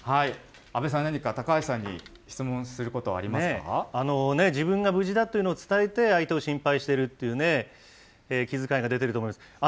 阿部さん、何か高橋さんに質問す自分が無事だというのを伝えて、相手を心配しているっていうね、気遣いが出てると思います。